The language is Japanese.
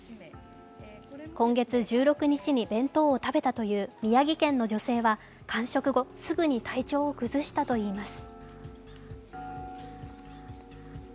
今月１６日に弁当を食べたという宮城県の女性は完食後、すぐに体調を崩したといいます。